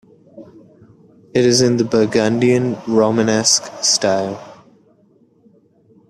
It is in the Burgundian Romanesque style.